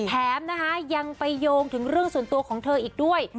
แถมนะคะยังไปโยงถึงเรื่องส่วนตัวของเธออีกด้วย